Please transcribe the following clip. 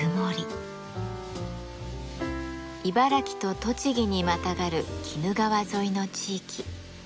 茨城と栃木にまたがる鬼怒川沿いの地域。